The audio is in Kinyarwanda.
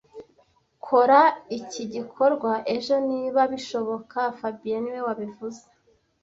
Kora iki gikorwa ejo niba bishoboka fabien niwe wabivuze